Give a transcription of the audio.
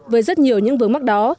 với rất nhiều những vướng mắt đó